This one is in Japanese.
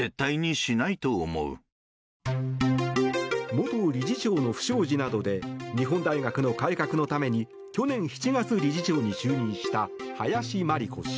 元理事長の不祥事などで日本大学の改革のために去年７月、理事長に就任した林真理子氏。